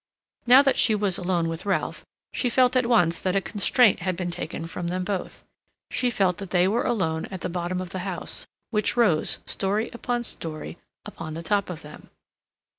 Now that she was alone with Ralph she felt at once that a constraint had been taken from them both. She felt that they were alone at the bottom of the house, which rose, story upon story, upon the top of them.